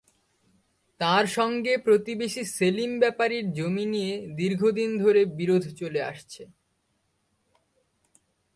তাঁর সঙ্গে প্রতিবেশী সেলিম ব্যাপারীর জমি নিয়ে দীর্ঘদিন ধরে বিরোধ চলে আসছে।